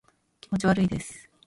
気持ち悪いです